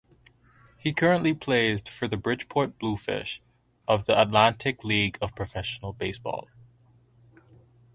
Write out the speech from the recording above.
He currently plays for the Bridgeport Bluefish of the Atlantic League of Professional Baseball.